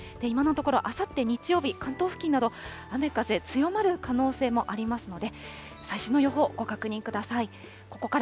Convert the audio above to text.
今のところ、あさって日曜日、関東付近など、雨、風、強まる可能性もありますので、最新の予報、ご確認ください。